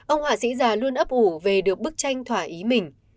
ông họa sĩ già luôn ấp ủ về được bức tranh thỏa ý mình